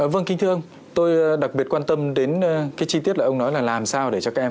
vâng kính thương tôi đặc biệt quan tâm đến cái chi tiết là ông nói là làm sao để cho các em